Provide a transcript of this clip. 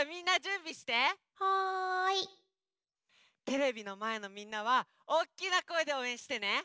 テレビのまえのみんなはおっきなこえでおうえんしてね！